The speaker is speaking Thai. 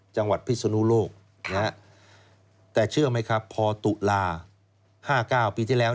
จังหวัดพิศนุโลกแต่เชื่อไหมครับพอตุลา๕๙ปีที่แล้ว